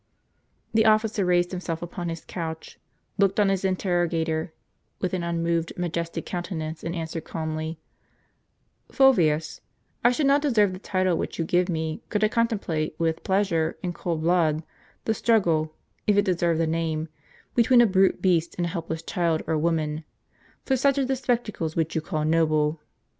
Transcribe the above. The officer raised himself upon his couch, looked on his interrogator with an unmoved, majestic countenance, and answered calmly: " Fulvius, I should not deserve the title which you give me, could I contemplate with jDleasure, in cold blood, the struggle, if it deserve the name, between a brute beast and a helpless child or woman, for such are the spectacles which you call noble.